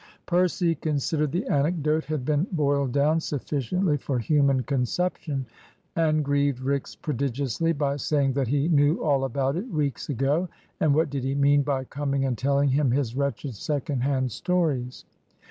Percy considered the anecdote had been boiled down sufficiently for human consumption, and grieved Rix prodigiously by saying that he knew all about it weeks ago, and what did he mean by coming and telling him his wretched second hand stories?